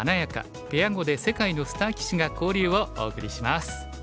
ペア碁で世界のスター棋士が交流」をお送りします。